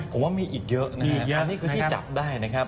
ผมว่ามีอีกเยอะนะครับอันนี้คือชิ้นจับได้นะครับ